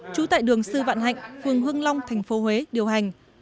chú tại đường sư vạn hạnh phường hương long tp huế điều hành